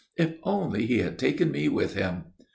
"If only he had taken me with him!"